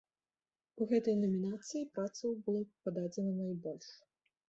У гэтай намінацыі працаў было пададзена найбольш.